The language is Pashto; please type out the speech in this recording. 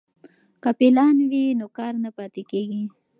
که پلان وي نو کار نه پاتې کیږي.